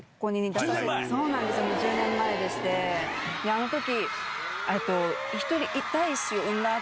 あの時。